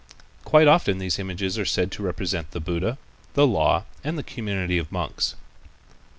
Quite often these images are said to represent the Buddha, the Law and the Community of Monks.